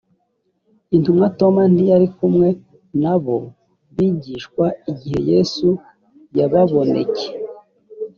intumwa toma ntiyari kumwe n abo bigishwa igihe yesu yababoneke